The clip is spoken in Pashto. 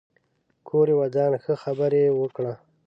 کور يې ودان ښه خبره يې وکړه